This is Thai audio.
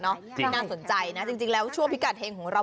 ที่น่าสนใจนะจริงแล้วช่วงพิกัดเฮงของเรา